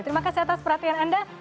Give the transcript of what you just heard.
terima kasih atas perhatian anda